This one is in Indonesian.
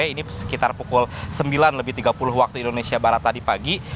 ini sekitar pukul sembilan lebih tiga puluh waktu indonesia barat tadi pagi